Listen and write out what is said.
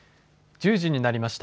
１０時になりました。